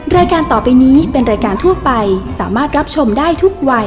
รายการต่อไปนี้เป็นรายการทั่วไปสามารถรับชมได้ทุกวัย